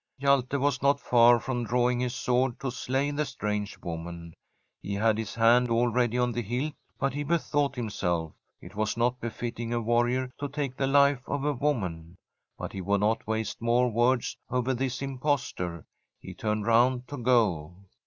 Hjalte was not far from drawing his sword to slay the strange woman. He had his hand already on the hilt, but he bethought himself it was not befitting a warrior to take the life of a woman. But he would not waste more words over this impostor. He turned round to go.